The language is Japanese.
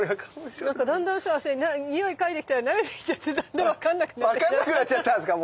なんかだんだんさにおい嗅いできたら慣れてきちゃってだんだん分かんなくなっちゃったよ。